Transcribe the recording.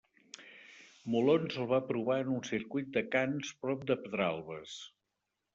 Molons el va provar en un circuit de karts prop de Pedralbes.